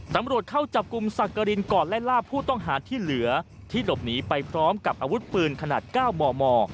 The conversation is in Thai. ตำรวจเข้าจับกลุ่มสักกรินก่อนไล่ล่าผู้ต้องหาที่เหลือที่หลบหนีไปพร้อมกับอาวุธปืนขนาด๙มม